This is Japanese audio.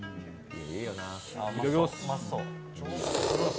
いただきます。